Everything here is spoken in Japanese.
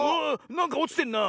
なんかおちてんな！